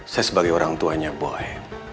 saya sebagai orang tuanya boleh